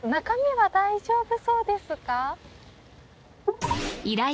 中身は大丈夫そうですか？